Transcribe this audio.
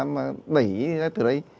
mà đẩy ra từ đấy